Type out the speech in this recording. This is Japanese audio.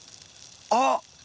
あっ！